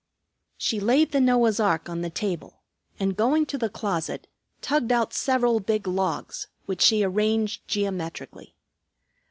She laid the Noah's ark on the table, and going to the closet tugged out several big logs, which she arranged geometrically.